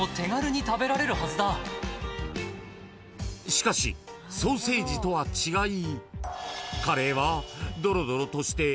［しかしソーセージとは違いカレーは］